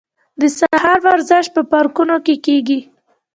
د سهار ورزش په پارکونو کې کیږي.